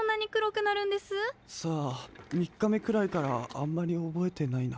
さあみっかめくらいからあんまりおぼえてないな。